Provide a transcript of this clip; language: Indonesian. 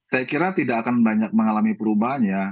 saya kira tidak akan banyak mengalami perubahannya